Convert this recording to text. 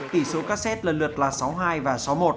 tỷ số các set lần lượt là sáu hai và sáu một